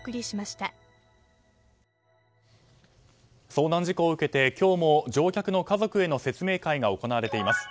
遭難事故を受けて今日も乗客の家族への説明会が行われています。